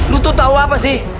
lo tuh tau apa sih